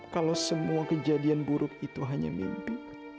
kalau semua kejadian buruk itu hanya mimpi